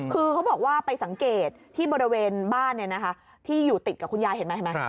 คือเขาบอกว่าไปสังเกตที่บริเวณบ้านที่อยู่ติดกับคุณยายเห็นไหมเห็นไหม